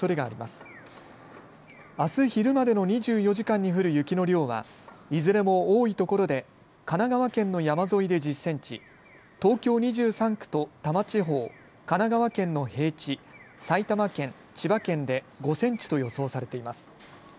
あす昼までの２４時間に降る雪の量はいずれも多いところで神奈川県の山沿いで１０センチ、東京２３区と多摩地方、神奈川県の平地、埼玉県、千葉県で５センチと予想されています。